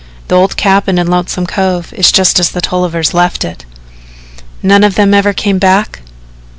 "The old cabin in Lonesome Cove is just as the Tollivers left it." "None of them ever come back?"